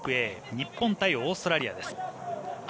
日本対オーストラリアです。